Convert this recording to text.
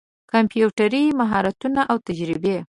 کمپيوټري مهارتونه او تجربې